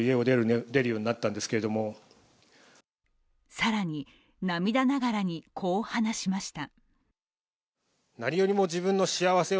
更に、涙ながらにこう話しました。